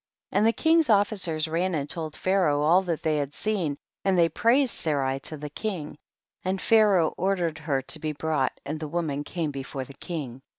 And the king's officers ran and told Pharaoh all that they had seen, and they praised Sarai to the king ; and Pharaoh ordered her to be brought, and the woman came before the king.